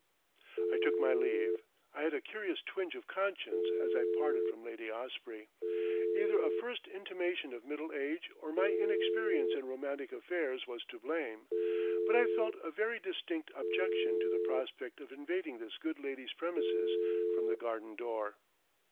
I took my leave. I had a curious twinge of conscience as I parted from Lady Osprey. Either a first intimation of middle age or my inexperience in romantic affairs was to blame, but I felt a very distinct objection to the prospect of invading this good lady's premises from the garden door.